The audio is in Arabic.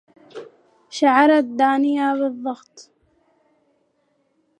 شعرت دانية بالضّغط.